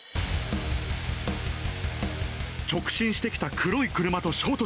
直進してきた黒い車と衝突。